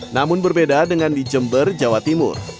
namun berbeda dengan di jember jawa timur